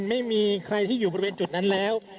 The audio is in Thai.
ไม่มีใครที่อยู่บริเวณจุดนั้นแล้ว